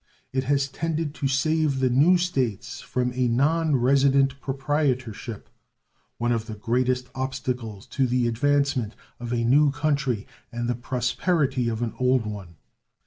It has tended to save the new States from a non resident proprietorship, one of the greatest obstacles to the advancement of a new country and the prosperity of an old one.